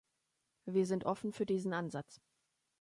Wir sind offen für diesen Ansatz.